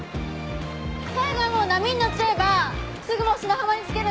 最後はもう波に乗っちゃえばすぐもう砂浜に着けるんで。